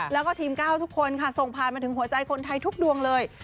แล้วก็ทีมก้าวทุกคนค่ะส่งผ่านมาถึงหัวใจคนไทยทุกดวงเลย